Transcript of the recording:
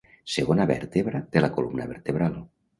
Segona vèrtebra de la columna vertebral.